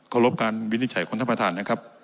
ขอรบการวินิจฉัยคนท่านประธานครับ